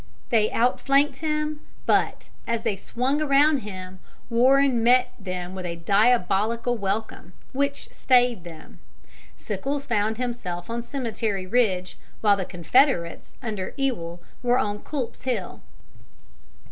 They outflanked him, but, as they swung around him, Warren met them with a diabolical welcome, which stayed them. Sickles found himself on Cemetery Ridge, while the Confederates under Ewell were on Culp's Hill.